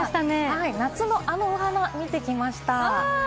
夏のあのお花を見てきました。